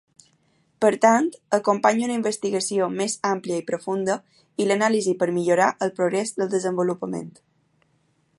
Per tant, acompanya una investigació més àmplia i profunda i l'anàlisi per millorar el progrés del desenvolupament.